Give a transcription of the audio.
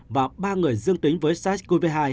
và ba người dương tính với sars cov hai